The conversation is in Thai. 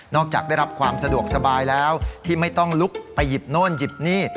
จากได้รับความสะดวกสบายแล้วที่ไม่ต้องลุกไปหยิบโน่นหยิบนี่